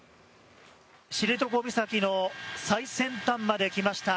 知床岬の最先端まで来ました。